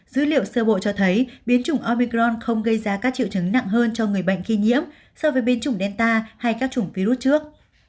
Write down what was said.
dữ liệu sơ bộ cho thấy biến chủng omicron không gây ra các triệu chứng nặng hơn cho người bệnh khi nhiễm so với biến chủng delta hay các chủng virus trước